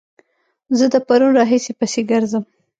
زه د پرون راهيسې پسې ګرځم